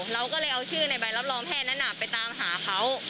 เราก็เลยเอาชื่อในใบรับรองแพทย์นั้นไปตามหาเขา